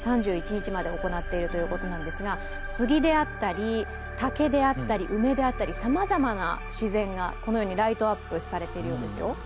３１日まで行っているということなんですが、杉であったり、竹であったり梅であったりさまざまな自然がこのようにライトアップされているようですよ。